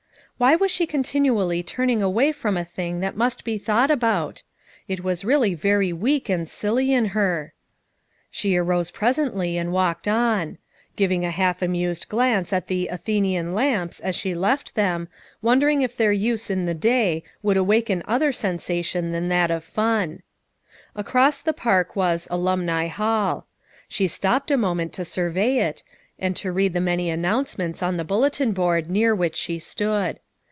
Why was she continually turning away from a thing that must be thought about? It was really very weak and silly in her! She arose pres ently and walked on; giving a half amused glance at the "Athenian lamps" as she left them, wondering if their use in this day could awaken other sensation than that of fun. Across the park was "Alumni Hall." She stopped a moment to survey it, and to read the many announcements on the bulletin board near which she stood.